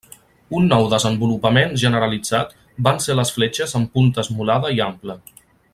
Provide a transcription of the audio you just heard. Un nou desenvolupament generalitzat van ser les fletxes amb punta esmolada i ampla.